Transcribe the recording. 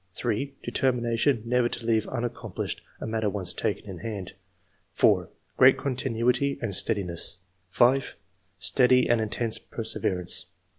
'* Determination never to leave unaccomplished a matter once taken in hand.'' 4. "Great continuity and steadiness." 5. Steady and intense perseverance."